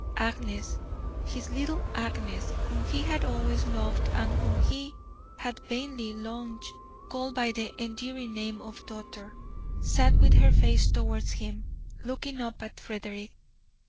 Agnes, his little Agnes, whom he had always loved and whom he had vainly longed to call by the endearing name of daughter, sat with her face towards him, looking up at Frederick.